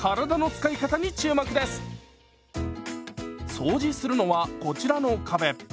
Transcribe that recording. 掃除するのはこちらの壁。